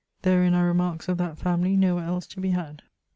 Therin are remarques of that family nowhere els to be had.